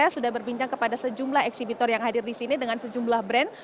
sudah berbincang kepada sejumlah eksibitor yang hadir di sini dengan sejumlah brand